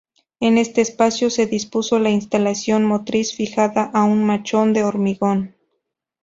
En este espacio se dispuso la instalación motriz fijada a un machón de hormigón.